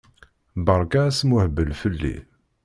Berka asmuhbel fell-i!